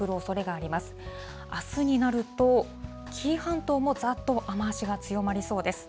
あすになると、紀伊半島もざっと雨足が強まりそうです。